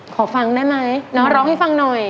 ขอฟังได้ไหมเนาะร้องให้ฟังหน่อย